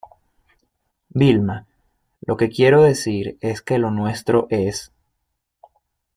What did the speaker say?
Vilma, lo que quiero decir es que lo nuestro es